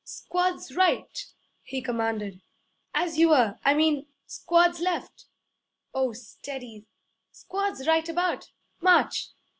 'Squads right!' he commanded. 'As you were! I mean, squads left! Oh, steady! Squads right about! March!'